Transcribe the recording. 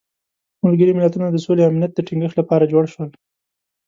ملګري ملتونه د سولې او امنیت د تینګښت لپاره جوړ شول.